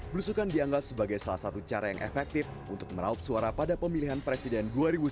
belusukan dianggap sebagai salah satu cara yang efektif untuk meraup suara pada pemilihan presiden dua ribu sembilan belas